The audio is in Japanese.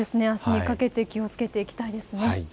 あすにかけて気をつけていきたいですね。